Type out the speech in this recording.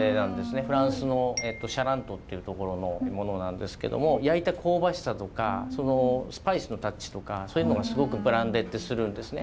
フランスのシャラントっていう所のものなんですけども焼いた香ばしさとかそのスパイスのタッチとかそういうのがすごくブランデーってするんですね。